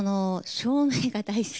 照明が好き。